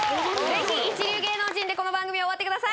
ぜひ一流芸能人でこの番組を終わってください